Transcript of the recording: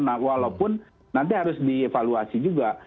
nah walaupun nanti harus dievaluasi juga